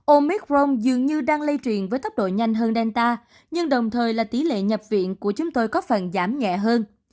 omic rong dường như đang lây truyền với tốc độ nhanh hơn delta nhưng đồng thời là tỷ lệ nhập viện của chúng tôi có phần giảm nhẹ hơn